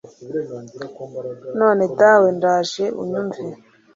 none dawe ndaje unyumve